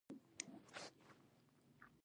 چا د آس اوږده لکۍ ور مچوله